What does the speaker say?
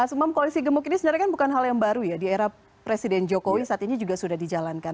mas umam koalisi gemuk ini sebenarnya kan bukan hal yang baru ya di era presiden jokowi saat ini juga sudah dijalankan